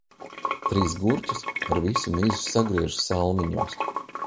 Trīs gurķus ar visu mizu sagriež salmiņos.